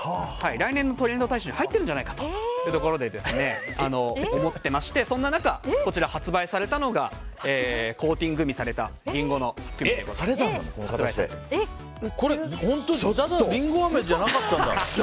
来年のトレンド大賞に入ってるんじゃないかというふうに思ってましてそんな中こちら、発売されたのがコーティングミされたりんごあめじゃなかったんだ。